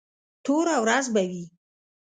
توره ورځ به وي.